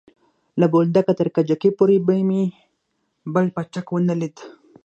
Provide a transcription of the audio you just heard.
له بولدکه تر کجکي پورې مې بل پاټک ونه ليد.